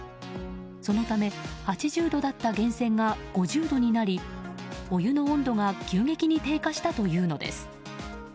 そのため、８０度だった源泉が５０度になりお湯の温度が急激に低下したというのです。